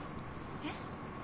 えっ？